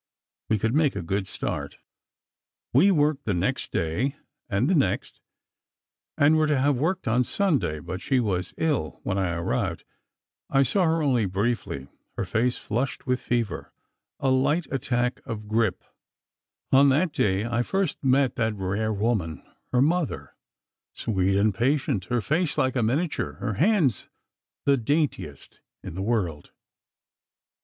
We could make a good start. We worked the next day, and the next, and were to have worked on Sunday, but she was ill when I arrived, and I saw her only briefly, her face flushed with fever, a light attack of "grippe." On that day, I first met that rare woman, her mother, sweet and patient, her face like a miniature, her hands the daintiest in the world.